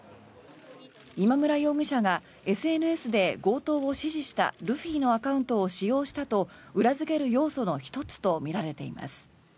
今村容疑者がＳＮＳで強盗を指示したルフィのアカウントを使用したと裏付ける要素の１つとみられています。